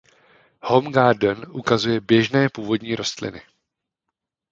Home Garden ukazuje běžné původní rostliny.